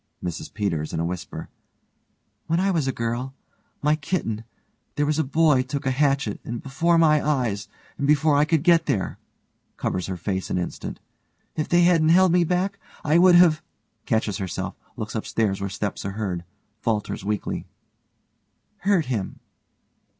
MRS PETERS: (in a whisper) When I was a girl my kitten there was a boy took a hatchet, and before my eyes and before I could get there (covers her face an instant) If they hadn't held me back I would have (catches herself, looks upstairs where steps are heard, falters weakly) hurt him.